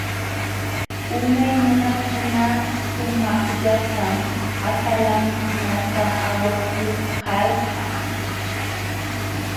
Unay nunakuna sumaqllatam atalankunata awakulkalqa.